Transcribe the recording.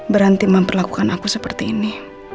berhenti memperlakukan aku seperti ini